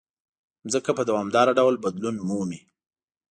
مځکه په دوامداره ډول بدلون مومي.